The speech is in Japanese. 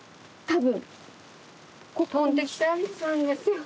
飛んできたんですよ。